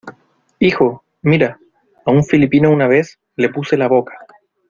hijo, mira , a un filipino una vez , le puse la boca...